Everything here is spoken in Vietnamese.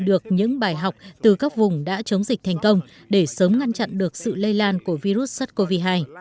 được những bài học từ các vùng đã chống dịch thành công để sớm ngăn chặn được sự lây lan của virus sars cov hai